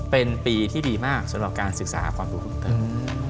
เป็นปีที่ดีมากสำหรับการศึกษาความรู้ของเติม